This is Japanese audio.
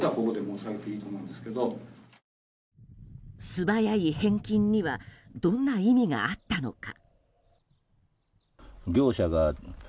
素早い返金にはどんな意味があったのか。